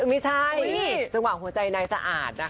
ไม่ใช่จังหวะหัวใจนายสะอาดนะคะ